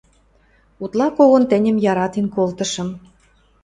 – Утла когон тӹньӹм яратен колтышым...